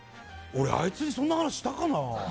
俺、あいつにそんな話したかな。